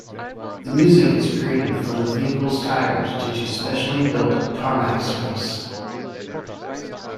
The music is created from the vehicle's tires due to specially built tarmac surface.